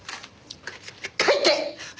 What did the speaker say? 帰って！